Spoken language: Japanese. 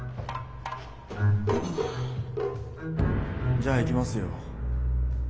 じゃあいきますよ。